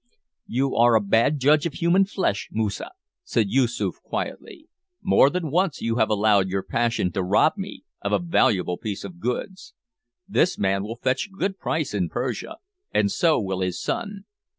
"You are a bad judge of human flesh, Moosa," said Yoosoof, quietly; "more than once you have allowed your passion to rob me of a valuable piece of goods. This man will fetch a good price in Persia, and so will his son.